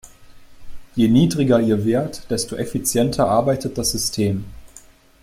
Je niedriger ihr Wert, desto effizienter arbeitet das System.